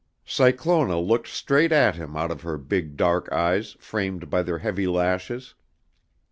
Cyclona looked straight at him out of her big dark eyes framed by their heavy lashes.